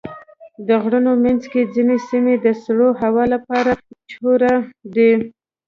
د غرونو منځ کې ځینې سیمې د سړې هوا لپاره مشهوره دي.